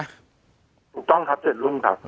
ถูกต้องครับ๗รุ่งครับ